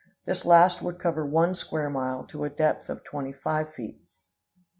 This last would cover one square mile to a depth of twenty five feet.